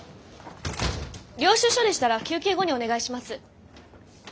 領収書でしたら休憩後にお願いします。